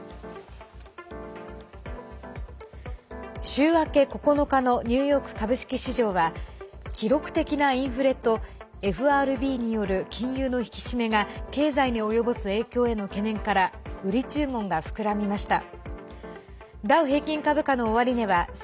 週明け９日のニューヨーク株式市場は記録的なインフレとＦＲＢによる金融の引き締めが経済に及ぼす影響への懸念から売り注文が膨らみました。